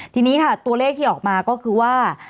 ทีนี้ค่ะตัวเลขที่ออกมาก็คือว่า